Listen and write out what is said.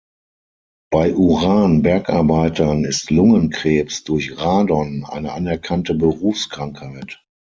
Bei Uran-Bergarbeitern ist Lungenkrebs durch Radon eine anerkannte Berufskrankheit.